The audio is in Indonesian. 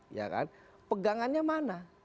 ya kan pegangannya mana